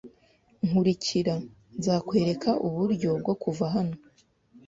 Nkurikira. Nzakwereka uburyo bwo kuva hano